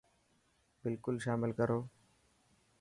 بلڪل شامل ڪرو.